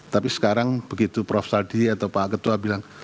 tapi sekarang begitu prof saldi atau pak ketua bilang